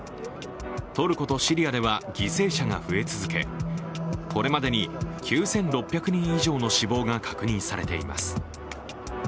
トルコとシリアでは犠牲者が増え続け、これまでに９６００人以上の死亡が確認されています。